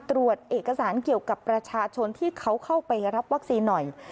ตรวจเอกสารเกี่ยวกับประชาชนที่เขาเข้าไปรับวัคซีนหน่อย